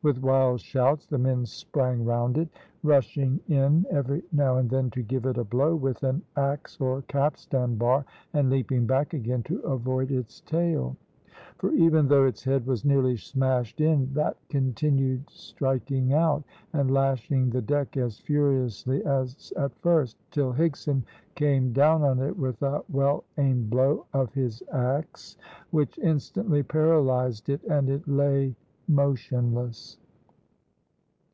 With wild shouts the men sprang round it, rushing in, every now and then, to give it a blow with an axe or capstan bar, and leaping back again to avoid its tail; for even though its head was nearly smashed in, that continued striking out, and lashing the deck as furiously as at first, till Higson came down on it with a well aimed blow of his axe, which instantly paralysed it, and it lay motionless.